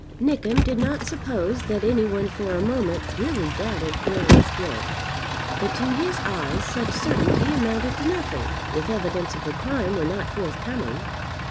Nickem did not suppose that any one for a moment really doubted Goarly's guilt. But to his eyes such certainty amounted to nothing, if evidence of the crime were not forthcoming.